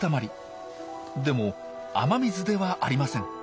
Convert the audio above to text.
でも雨水ではありません。